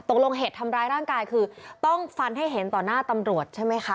เหตุทำร้ายร่างกายคือต้องฟันให้เห็นต่อหน้าตำรวจใช่ไหมคะ